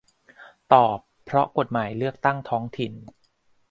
ตอบ เพราะกฎหมายเลือกตั้งท้องถิ่น